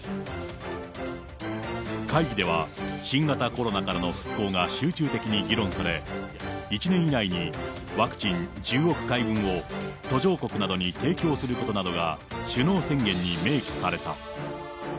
会議では、新型コロナからの復興が集中的に議論され、１年以内にワクチン１０億回分を途上国などに提供することなどが首脳宣言に明記された。